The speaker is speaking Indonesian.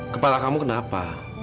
kepala kamu kenapa